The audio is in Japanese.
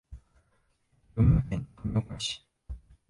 群馬県富岡市